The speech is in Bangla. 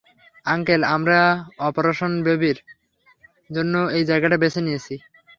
আঙ্কেল আমরা অপারেশন বেবির জন্য এই জায়গাটা বেছে নিয়েছি।